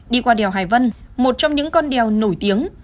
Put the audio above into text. đi qua đèo hải vân một trong những con đèo nổi tiếng